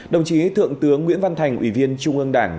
đồng chí thượng tướng nguyễn văn thành ủy viên trung ương đảng